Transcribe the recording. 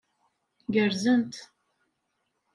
Gerrzent.